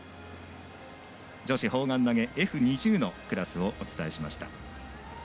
女子砲丸投げＦ２０のクラスをお伝えしました。